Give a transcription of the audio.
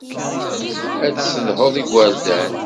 Ad tessedhuḍ igerdan.